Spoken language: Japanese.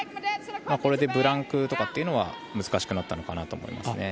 これでブランクというのは難しくなったのかなと思います。